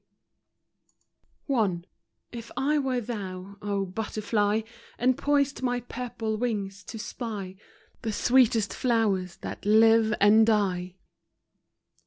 I. T F I were thou, O butterfly, And poised my purple wings, to spy The sweetest flowers that live and die,— IT.